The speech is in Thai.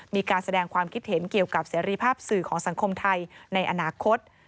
มีการแสดงความคิดเห็นเกี่ยวกับเสรีภาพสื่อของสังคมไทยในอนาคต